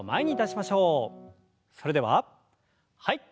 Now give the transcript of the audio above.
それでははい。